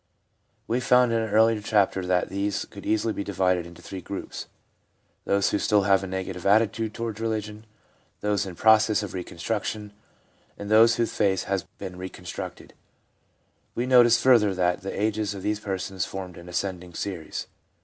We found in an earlier chapter that these could easily be divided into three groups — those who still have a negative attitude toward religion, those in process of reconstruction, and those whose faith has been reconstructed ; we noticed furthermore that the ages of these persons formed an ascending series.